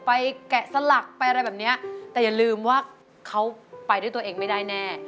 แกะสลักไปอะไรแบบเนี้ยแต่อย่าลืมว่าเขาไปด้วยตัวเองไม่ได้แน่